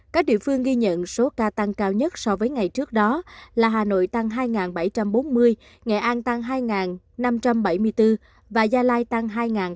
các địa phương ghi nhận số ca tăng cao nhất so với ngày trước đó là hà nội tăng hai bảy trăm bốn mươi nghệ an tăng hai năm trăm bảy mươi bốn và gia lai tăng hai ba trăm sáu mươi ba